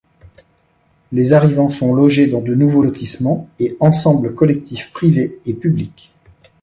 Les arrivants sont logés dans de nouveaux lotissements et ensembles collectifs privés et publics.